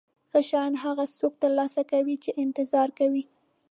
ښه شیان هغه څوک ترلاسه کوي چې انتظار کوي.